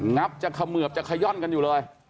ับจะเขมือบจะขย่อนกันอยู่เลย